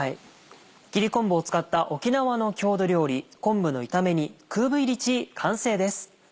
切り昆布を使った沖縄の郷土料理昆布の炒め煮クーブイリチー完成です。